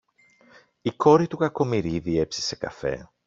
η κόρη του Κακομοιρίδη έψησε καφέ